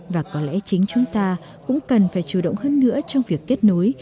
và có lẽ chính chúng ta cũng cần phải chủ động hơn nữa trong việc kết nối